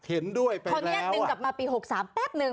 เห็นด้วยไปแล้วเขาเนียกนึงกลับมาปี๖๓แป๊บหนึ่ง